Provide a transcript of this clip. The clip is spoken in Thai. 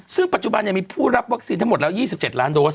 ซึ่งปัจจุบันมีผู้รับวัคซีนทั้งหมดแล้ว๒๗ล้านโดส